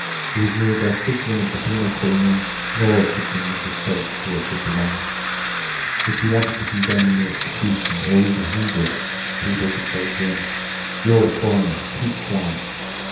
He was neither a citizen of the penal colony nor a citizen of the state to which it belonged. If he wanted to condemn the execution or even hinder it, people could say to him: You're a foreigner—keep quiet.